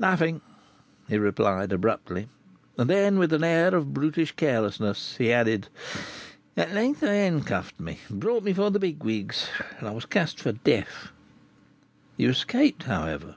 "Nothing," he replied, abruptly; and then, with an air of brutish carelessness, he added, "At length they handcuffed me, and brought me before the 'big wigs,' and I was cast for death." "You escaped, however?"